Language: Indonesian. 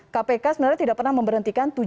kpk sebenarnya tidak pernah memberhentikan